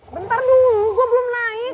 bentar dulu gue belum naik